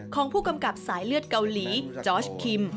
ของผู้กำกับสายเลือดเกาหลีจอร์ชคิม